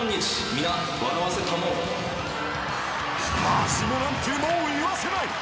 ［真面目なんてもう言わせない］